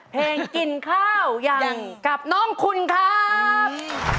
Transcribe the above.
กินข้าวยังกับน้องคุณครับ